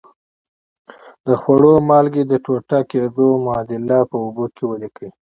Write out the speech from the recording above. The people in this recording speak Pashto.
د خوړو مالګې د ټوټه کیدو معادله په اوبو کې ولیکئ.